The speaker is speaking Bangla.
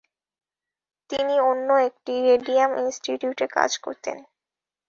তিনি অন্য একটি রেডিয়াম ইনস্টিটিউটে কাজ করতেন।